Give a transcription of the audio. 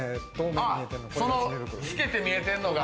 その透けて見えてるのが？